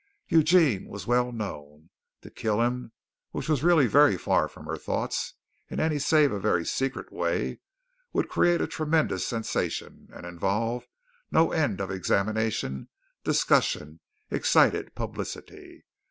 Eugene was well known. To kill him, which was really very far from her thoughts, in any save a very secret way, would create a tremendous sensation and involve no end of examination, discussion, excited publicity.